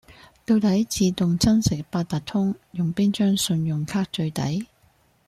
到底自動增值八達通，用邊張信用卡最抵？